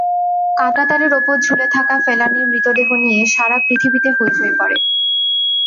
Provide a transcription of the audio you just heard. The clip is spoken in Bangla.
কাঁটাতারের ওপর ঝুলে থাকা ফেলানীর মৃতদেহ নিয়ে সারা পৃথিবীতে হইচই পড়ে।